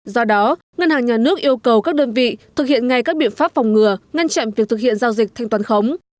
do đó ngân hàng nhà nước yêu cầu các đơn vị thực hiện ngay các biện pháp phòng ngừa ngăn chặn việc thực hiện giao dịch thanh toán khống